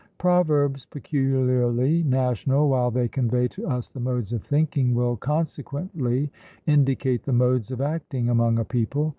Proverbs peculiarly national, while they convey to us the modes of thinking, will consequently indicate the modes of acting among a people.